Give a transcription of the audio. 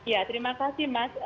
ya terima kasih mas